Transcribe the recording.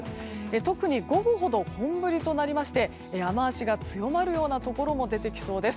特に午後ほど本降りとなりまして雨脚が強まるようなところも出てきそうです。